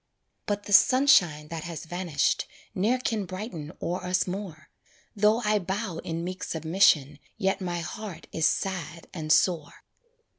But the sunshine that has vanished Ne'er can brighten o'er us more, Though I bow in meek submission Yet my heart is sad and sore.